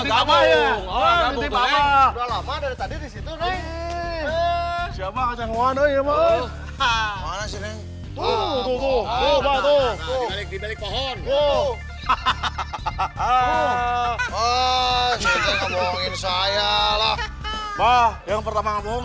hai neng neng sini nggak ngapain disitu neng itu nggak ada yang pertama yang pertama ngebohong